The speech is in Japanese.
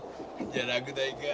じゃあ落第か？